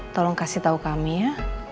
tolong kasih tahu kami ya